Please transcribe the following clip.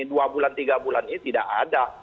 dua bulan tiga bulan ini tidak ada